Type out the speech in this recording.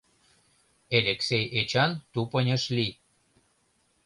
Элексей Эчан тупынь ыш лий.